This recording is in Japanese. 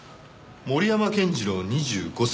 森山健次郎２５歳。